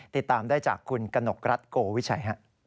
ติดตามได้จากคุณกนกรัฐโกวิชัย